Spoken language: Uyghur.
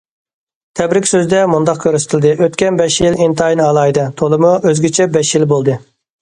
تەبرىك سۆزىدە مۇنداق كۆرسىتىلدى: ئۆتكەن بەش يىل ئىنتايىن ئالاھىدە، تولىمۇ ئۆزگىچە بەش يىل بولدى.